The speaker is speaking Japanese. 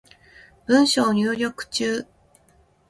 文章入力中